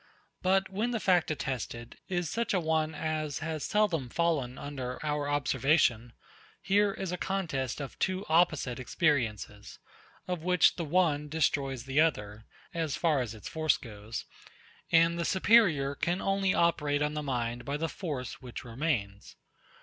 But when the fact attested is such a one as has seldom fallen under our observation, here is a contest of two opposite experiences; of which the one destroys the other, as far as its force goes, and the superior can only operate on the mind by the force, which remains.